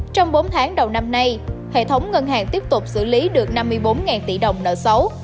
trong bốn tháng đầu năm nay hệ thống ngân hàng tiếp tục xử lý được năm mươi bốn tỷ đồng nợ xấu